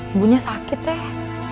ibunya sakit deh